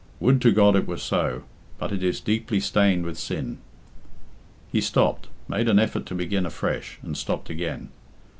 Would to God it were so; but it is deeply stained with sin." He stopped, made an effort to begin afresh, and stopped again.